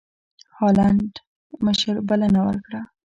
هالنډ مشر بلنه ورکړه.